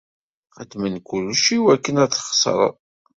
Xedmen kullec iwakken ad txeṣreḍ.